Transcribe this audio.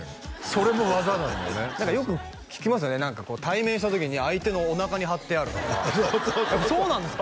それも技なんだよねよく聞きますよね対面した時に相手のおなかに貼ってあるとかそうなんですか？